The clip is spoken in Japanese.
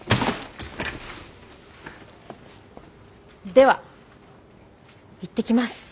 では行ってきます。